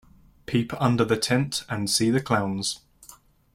Peep under the tent and see the clowns.